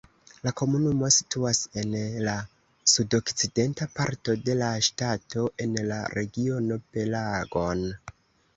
La komunumo situas en la sudokcidenta parto de la ŝtato en la regiono Pelagon.